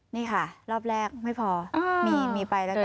นี่ค่ะรอบแรกไม่พอมีไปแล้วกัน